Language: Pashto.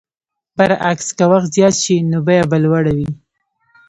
برعکس که وخت زیات شي نو بیه به لوړه وي.